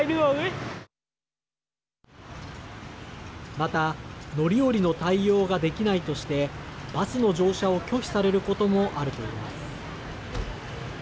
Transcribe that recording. また、乗り降りの対応ができないとしてバスの乗車を拒否されることもあると言います。